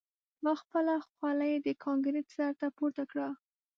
ما خپله خولۍ د کانکریټ سر ته پورته کړه